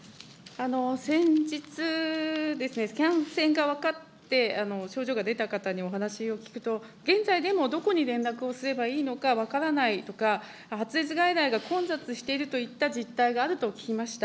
先日ですね、感染が分かって、症状が出た方にお話を聞くと、現在でもどこに連絡をすればいいのか分からないとか、発熱外来が混雑しているといった実態があると聞きました。